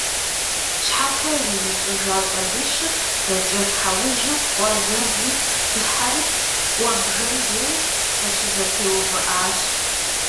Щхьэхуэ зызыщIыжа щIалищыр зэкIэлъхьэужьу къуэ зэвым дыхьэри «Iуэбжэм» деж къыщызэтеувыIащ.